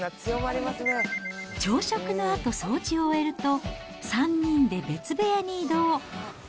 朝食のあと、掃除を終えると、３人で別部屋に移動。